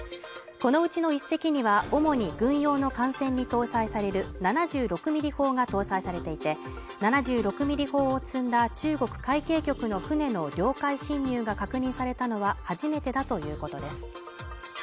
このうちの１隻には主に軍用の艦船に搭載される７６ミリ砲が搭載されていて７６ミリ砲を積んだ中国海警局の船の領海侵入が確認されたのは初めてだということです